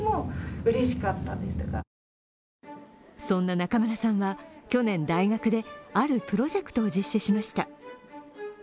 そんな中村さんは去年、大学であるプロジェクトを実施しました。